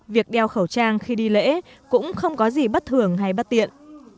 việc đeo khẩu trang khi đi lễ cũng không có gì bất thường hay bất tiện